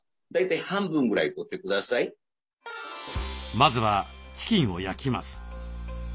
まずはチキンを焼きます。